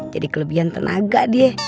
jadi kelebihan tenaga dia